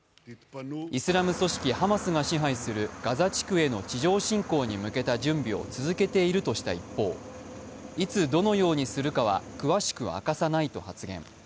イスラム組織ハマスが支配するガザ地区への地上侵攻に向けた準備を続けているとした一方、いつ、どのようにするかは詳しく明かさないと発言。